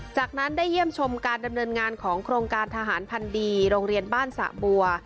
จากนั้นได้เยี่ยมชมการดำเนินงานของโครงการทหารพันดีโรงเรียนบ้านสะบัว